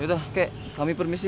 yaudah kek kami permisi